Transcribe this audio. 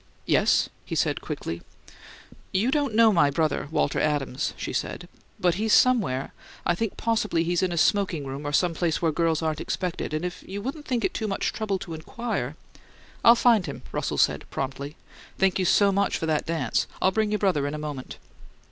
"Yes?" he said, quickly. "You don't know my brother, Walter Adams," she said. "But he's somewhere I think possibly he's in a smoking room or some place where girls aren't expected, and if you wouldn't think it too much trouble to inquire " "I'll find him," Russell said, promptly. "Thank you so much for that dance. I'll bring your brother in a moment."